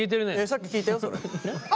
さっき聞いたよそれ。